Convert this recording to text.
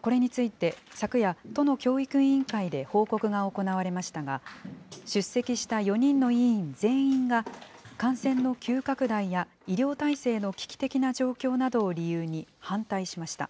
これについて昨夜、都の教育委員会で報告が行われましたが、出席した４人の委員全員が、感染の急拡大や、医療体制の危機的な状況などを理由に反対しました。